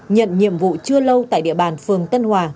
nhận nhiệm vụ chưa lâu tại địa bàn phường tân hòa